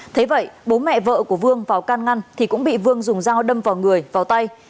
thế vậy bố mẹ vợ của vương vào can ngăn thì cũng bị vương dùng dao đâm vào người vào tay